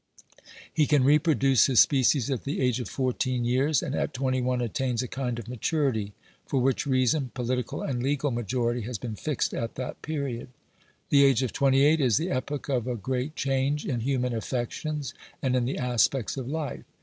He can reproduce his species at the age of fourteen years, and at twenty one attains a kind of maturity, for which reason, political and legal majority has been fixed at that period. The age of twenty eight is the epoch of a great change in human affections and in the aspects of life.